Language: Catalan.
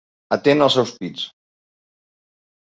Atent als seus pits.